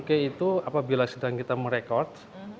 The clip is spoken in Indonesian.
tujuh k itu apabila sedang kita merekod